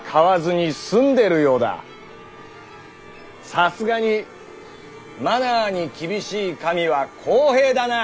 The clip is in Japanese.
さすがに「マナー」に厳しい神は公平だな。